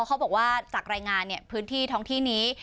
เขาบอกว่าจากรายงานพื้นที่ท้องที่นี้